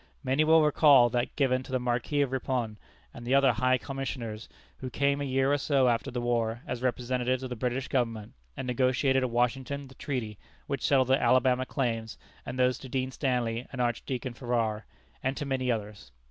Many will recall that given to the Marquis of Ripon and the other High Commissioners, who came a year or two after the war, as representatives of the British government, and negotiated at Washington the treaty which settled the Alabama claims; and those to Dean Stanley and Archdeacon Farrar; and to many others.